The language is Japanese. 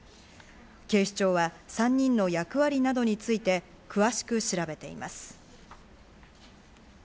警視庁は３人の役割などについて詳しく調べています。